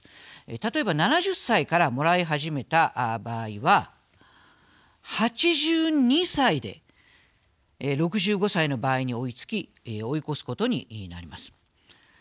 例えば、７０歳からもらい始めた場合は８２歳で６５歳の場合に追いつき追い越すことになります。